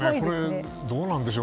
どうなんでしょう